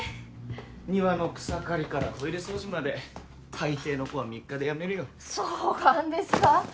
庭の草刈りからトイレ掃除まで大抵の子は３日で辞めるよそがんですか？